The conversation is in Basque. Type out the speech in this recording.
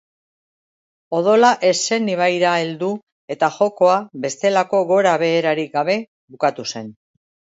Odola ez zen ibaira heldu eta jokoa bestelako gorabeherarik gabe bukatu zen.